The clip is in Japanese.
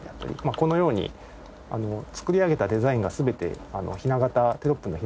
このように作り上げたデザインが全てテロップのひな型